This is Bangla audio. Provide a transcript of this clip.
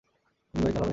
তুমি গাড়ি চালাবে?